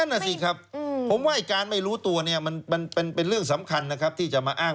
นั่นน่ะสิครับผมว่าการไม่รู้ตัวเนี่ยมันเป็นเรื่องสำคัญนะครับที่จะมาอ้าง